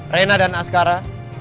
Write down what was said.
rena dan askara